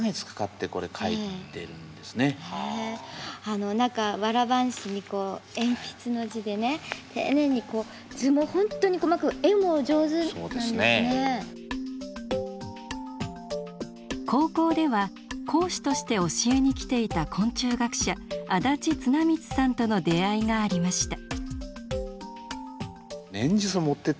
あの中高校では講師として教えに来ていた昆虫学者安立綱光さんとの出会いがありました。